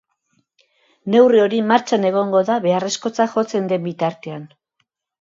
Neurri hori martxan egongo da beharrezkotzat jotzen den bitartean.